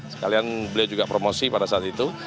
sekalian beliau juga promosi pada saat itu